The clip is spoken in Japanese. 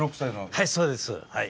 はいそうですはい。